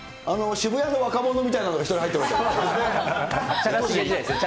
渋谷の若者みたいなのが１人入ってましたね。